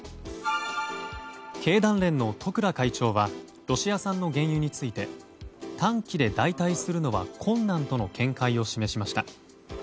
経団連の十倉会長はロシア産の原油について短期で代替するのは困難との見解を示しました。